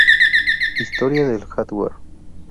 Historia del hardware